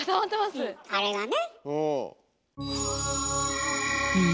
あれがね？